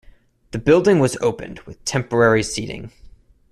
The building was opened with temporary seating.